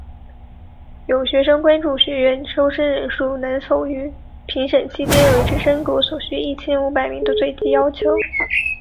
有学生关注学院收生人数能否于评审期间维持升格所需一千五百名的最低要求。